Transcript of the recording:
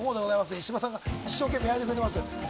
石破さんが一生懸命焼いてくれてます。